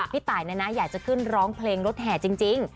พี่ตายนะนะอยากจะขึ้นร้องเพลงรถแห่จริง